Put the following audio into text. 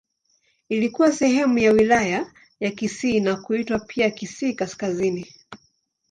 Ilikuwa sehemu ya Wilaya ya Kisii na kuitwa pia Kisii Kaskazini.